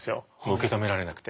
受け止められなくて。